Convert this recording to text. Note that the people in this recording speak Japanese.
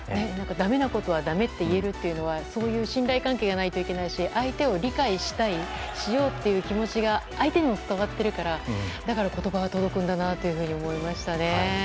だめなことはだめって言えるというのはそういう信頼関係がないといけないし相手を理解したいしようという気持ちが相手にも伝わっているからだから言葉は届くんだなと思いましたね。